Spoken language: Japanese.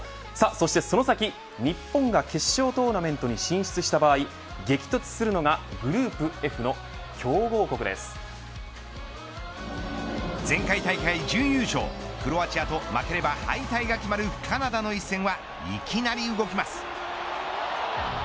そして、その日本が決勝トーナメントに進出した場合激突するのがグループＦの前回大会準優勝クロアチアと負けれは敗退が決まるカナダの一戦はいきなり動きます。